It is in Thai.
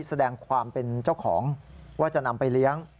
แสดงความเป็นเจ้าของว่าจะนำไปเลี้ยง